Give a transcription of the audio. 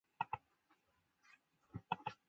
张勋带领三千军队进京。